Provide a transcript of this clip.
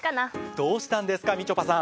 どうしたんですかみちょぱさん。